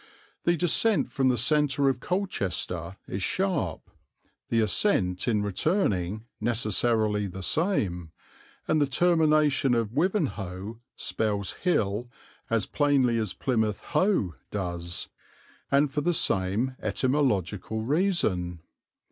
The descent from the centre of Colchester is sharp, the ascent in returning necessarily the same, and the termination of Wivenhoe spells hill as plainly as Plymouth "Hoe" does, and for the same etymological reason.